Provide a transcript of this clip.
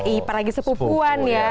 ipa lagi sepupuan ya